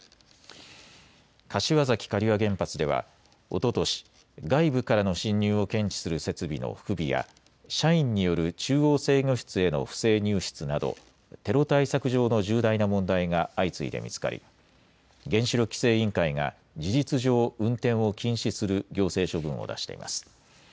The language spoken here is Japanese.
柏崎刈羽原発ではおととし、外部からの侵入を検知する設備の不備や社員による中央制御室への不正入室などテロ対策上の重大な問題が相次いで見つかり原子力規制委員会が事実上運転を禁止する行政処分を出しています。